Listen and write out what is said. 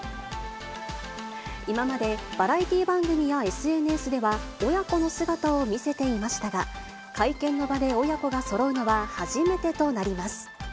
今まで、バラエティ番組やＳＮＳでは、親子の姿を見せていましたが、会見の場で親子がそろうのは初めてとなります。